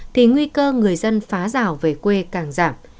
thì nguy cơ người dân phá rào về quê càng giảm